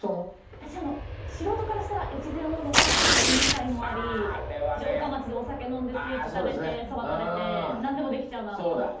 私あの素人からしたら越前大野が雲海もあり城下町でお酒飲んでスイーツ食べてそば食べて何でもできちゃうなと思って。